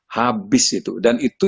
habis itu dan itu